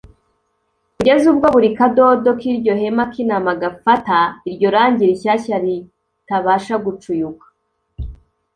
kugeza ubwo buri kadodo k’iryo hema kinama kagafata iryo rangi rishyashya ritabasha gucuyuka